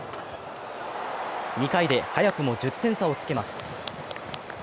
２回で、早くも１０点差をつけます。